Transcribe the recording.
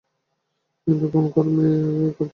কিন্তু কোন কর্মই একেবারে ব্যর্থ হয় না।